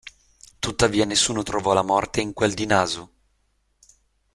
Tuttavia nessuno trovò la morte in quel di Naso.